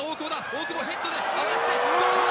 大久保、ヘッドで合わせてどうだ？